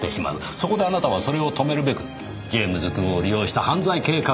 そこであなたはそれを止めるべくジェームズくんを利用した犯罪計画を立てた。